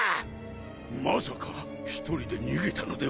まさか１人で逃げたのではあるまいな！？